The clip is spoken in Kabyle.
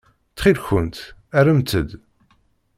Ttxil-kent rremt-d.